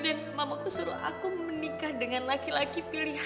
dan mamaku suruh aku menikah dengan laki laki pilihannya